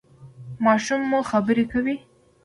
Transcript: ماشوم مو خبرې کوي؟